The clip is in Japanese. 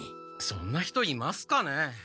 そんな人いますかね？